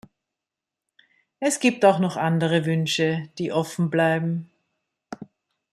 Es gibt auch noch andere Wünsche, die offen bleiben.